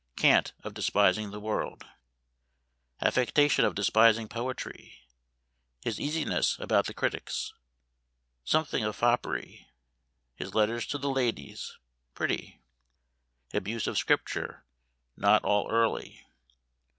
Cant of despising the world. Affectation of despising poetry. His easiness about the critics.. Something of foppery. His letters to the ladies pretty. Abuse of Scripture not all early.